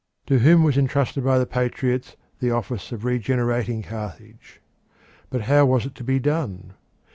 To him was entrusted by the patriots the office of regenerating Carthage. But how was it to be done?